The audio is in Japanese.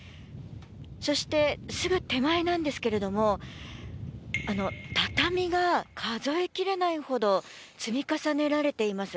そして、すぐ手前なんですが畳が数え切れないほど積み重ねられています。